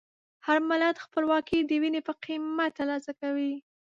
هر ملت خپلواکي د وینې په قیمت ترلاسه کوي.